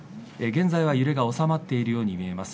現在は揺れが収まっているように見えます。